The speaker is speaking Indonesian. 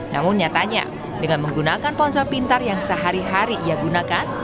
namun nyatanya dengan menggunakan ponsel pintar yang sehari hari ia gunakan